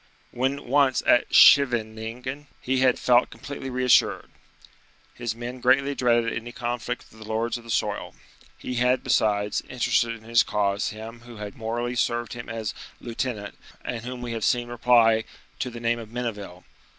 When once at Scheveningen he had felt completely reassured. His men greatly dreaded any conflict with the lords of the soil. He had, besides, interested in his cause him who had morally served him as lieutenant, and whom we have seen reply to the name of Menneville.